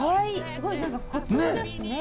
すごい何か小粒ですね。